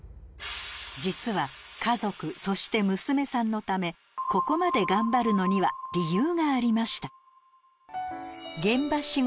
実は家族そして娘さんのためここまで頑張るのには理由がありました